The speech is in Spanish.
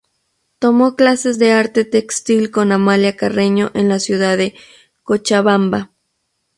Tomó clases de arte textil con Amalia Carreño en la ciudad de Cochabamba.